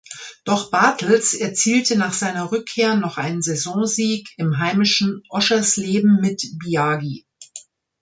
Doch Bartels erzielte nach seiner Rückkehr noch einen Saisonsieg im heimischen Oschersleben mit Biagi.